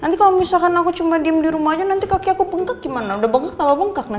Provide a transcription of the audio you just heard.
nanti kalo misalkan aku cuma diem dirumah aja nanti kaki aku bengkak gimana udah bengkak tambah bengkak nanti ya